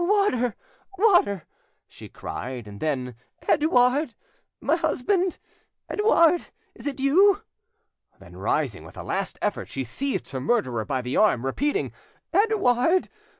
"Water! water!" she cried; and then, "Edouard,—my husband!—Edouard!—is it you?" Then rising with a last effort, she seized her murderer by the arm, repeating, "Edouard!